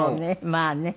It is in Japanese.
まあね。